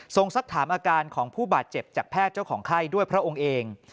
สักถามอาการของผู้บาดเจ็บจากแพทย์เจ้าของไข้ด้วยพระองค์เอง